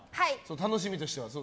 楽しみとしては。